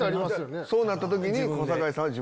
そうなった時に。